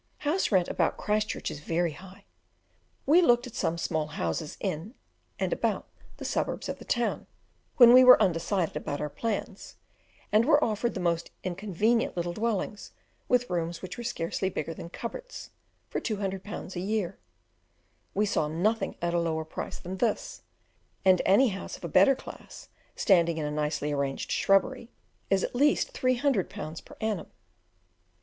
House rent about Christchurch is very high. We looked at some small houses in and about the suburbs of the town, when we were undecided about our plans, and were offered the most inconvenient little dwellings, with rooms which were scarcely bigger than cupboards, for 200 pounds a year; we saw nothing at a lower price than this, and any house of a better class, standing in a nicely arranged shrubbery, is at least 300 pounds per annum.